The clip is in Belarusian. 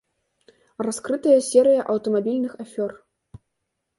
Раскрытая серыя аўтамабільных афёр.